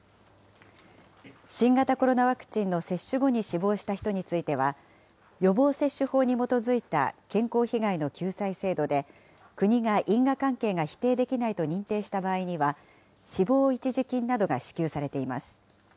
新型コロナワクチンの接種後に死亡した人については、予防接種法に基づいた健康被害の救済制度で、国が因果関係が否定できないと認定した場合には、死亡一時金などが支給されています。